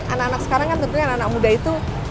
anak anak sekarang kan tentunya anak anak muda itu